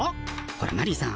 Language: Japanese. ほらマリーさん